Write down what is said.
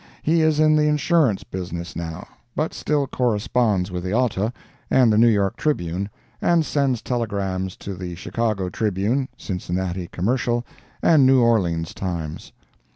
He is in the insurance business now, but still corresponds with the ALTA and the New York Tribune, and sends telegrams to the Chicago Tribune, Cincinnati Commercial and New Orleans Times.